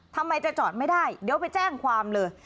ทำไมจะจอดไม่ได้เดี๋ยวไปแจ้งความเลย